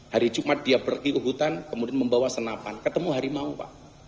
hari jumat dia pergi ke hutan kemudian membawa senapan ketemu harimau pak